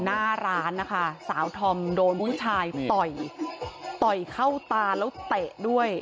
หน้าร้านนะคะสาวธอมโดนผู้ชายต่อยต่อยเข้าตาแล้วเตะด้วย